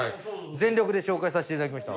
全力で紹介させていただきました。